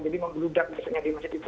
jadi membludak biasanya di masjid itu